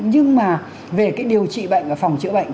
nhưng mà về cái điều trị bệnh và phòng chữa bệnh